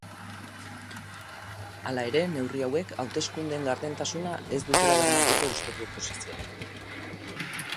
Hala ere, neurri hauek hauteskundeen gardentasuna ez dutela bermatuko uste du oposizioak.